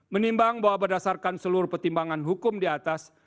menimbang bahwa berdasarkan seluruh pertimbangan hukum di atas